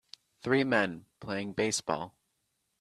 Three men playing baseball.